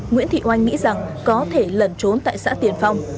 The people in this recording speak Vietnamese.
nguyễn thị oanh nghĩ rằng có thể lẩn trốn tại xã tiền phong